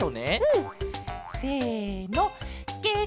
せの！